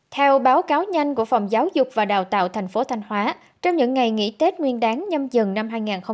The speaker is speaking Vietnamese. theo báo cáo nhanh của phòng giáo dục và đào tạo tp thanh hóa trong những ngày nghỉ tết nguyên đáng nhâm dần năm hai nghìn hai mươi